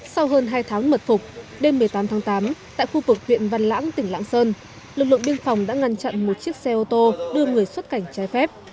sau hơn hai tháng mật phục đêm một mươi tám tháng tám tại khu vực huyện văn lãng tỉnh lạng sơn lực lượng biên phòng đã ngăn chặn một chiếc xe ô tô đưa người xuất cảnh trái phép